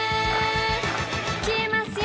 「消えますよ」